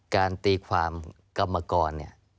การตีความกรรมกร